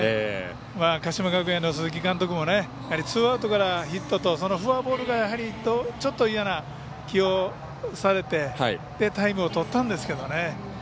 鹿島学園の鈴木監督もツーアウトからヒットとフォアボールと嫌な気をされてタイムをとったんですけどね。